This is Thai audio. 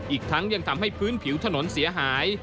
อีกทั้งยังทำให้พื้นผิวถนนเสียหาย